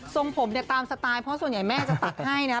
ทรงผมตามสไตล์เพราะส่วนใหญ่แม่จะตักให้นะ